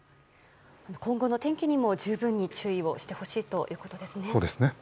今後の天気にも十分に注意してほしいということですね。